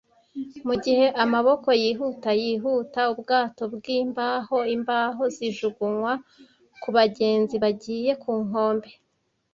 Mugihe amaboko-yihuta yihuta ubwato bwimbaho imbaho zijugunywa kubagenzi bagiye ku nkombe,